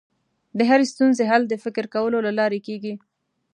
د هرې ستونزې حل د فکر کولو له لارې کېږي.